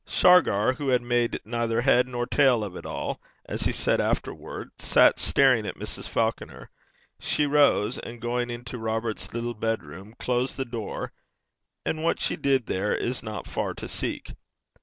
Shargar, who had made neither head nor tail of it all, as he said afterwards, sat staring at Mrs. Falconer. She rose, and going into Robert's little bedroom, closed the door, and what she did there is not far to seek.